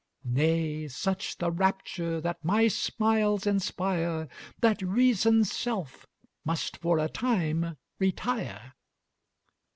Nay, such the rapture that my smiles inspire That reason's self must for a time retire."